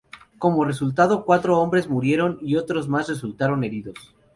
Como resultado, cuatro hombres murieron, y otro más resultaron heridos.